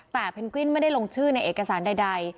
แต่เพนกวินไม่ได้ลงชื่อในเอกสารใด